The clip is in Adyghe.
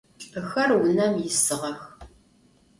Lh'ıxer vunem yisığex.